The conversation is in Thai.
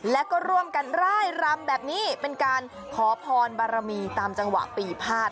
แล้วก็ร่วมกันร่ายรำแบบนี้เป็นการขอพรบารมีตามจังหวะปีพาด